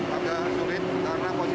kapan kejadian ini